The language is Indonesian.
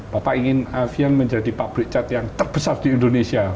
bapak ingin avian menjadi pabrik cat yang terbesar di indonesia